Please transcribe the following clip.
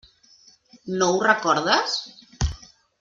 No ho recordes?